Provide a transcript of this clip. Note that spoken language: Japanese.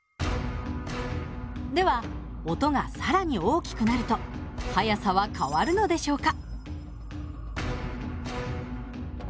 では音が更に大きくなると速さは変わるのでしょうか？